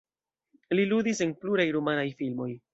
Li ludis en pluraj rumanaj filmoj.